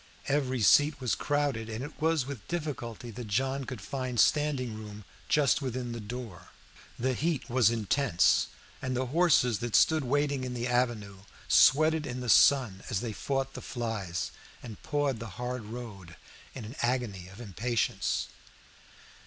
Every seat was crowded, and it was with difficulty that John could find standing room just within the door. The heat was intense, and the horses that stood waiting in the avenue, sweated in the sun as they fought the flies, and pawed the hard road in an agony of impatience.